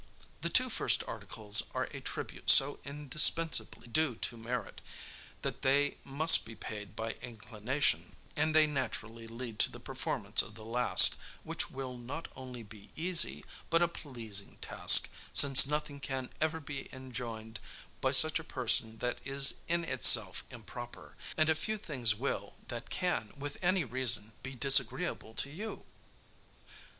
The two first articles are a tribute so indispensably due to merit, that they must be paid by inclination and they naturally lead to the performance of the last, which will not only be easy, but a pleasing task, since nothing can ever be enjoined by such a person that is in itself improper, and a few things will, that can, with any reason, be disagreeable to you.